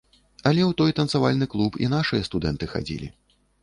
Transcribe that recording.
Але ў той танцавальны клуб і нашыя студэнты хадзілі.